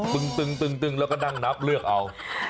ปึงปึงปึงปึงแล้วก็ดังนับเลือกเอา